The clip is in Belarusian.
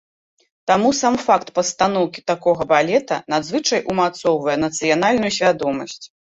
Таму сам факт пастаноўкі такога балета надзвычай умацоўвае нацыянальную свядомасць.